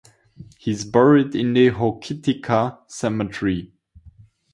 He is buried in the Hokitika Cemetery.